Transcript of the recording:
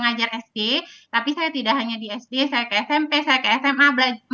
jadi sekarang saya sudah berusaha untuk mengajar sd tapi saya tidak hanya di sd saya ke smp saya ke sma